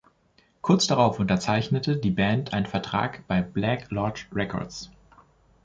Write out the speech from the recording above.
Kurz darauf unterzeichnete die Band einen Vertrag bei Black Lodge Records.